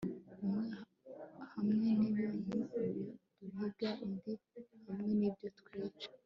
Umwe hamwe nibintu biduhiga undi hamwe nibyo twica